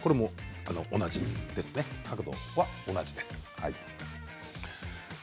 角度は同じです。